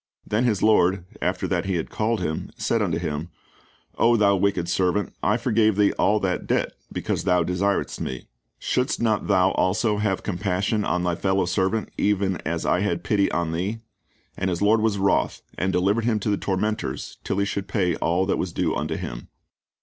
Then his lord, after that he had called him, said unto him, O thou wicked servant, I forgave thee all that debt, because thou desiredst me: shouldst not thou also have had compassion on thy fellow servant, even as I had pity on thee? And his lord was wroth, and delivered him to the tormentors, till he should pay all that was due unto him."